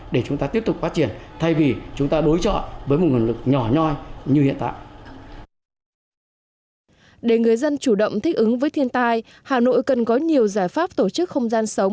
để người dân chủ động thích ứng với thiên tai hà nội cần có nhiều giải pháp tổ chức không gian sống